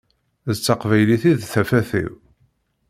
D taqbaylit i d tafat-iw.